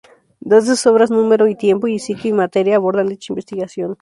Dos de sus obras "Número y tiempo" y "Psique y materia" abordan dicha investigación.